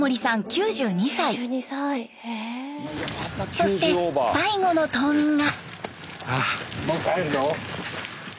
そして最後の島民が。